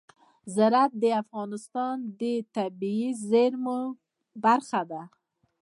زراعت د افغانستان د طبیعي زیرمو برخه ده.